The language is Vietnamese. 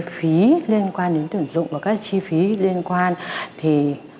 chi phí liên quan đến tưởng dụng và các cái chi phí liên quan thì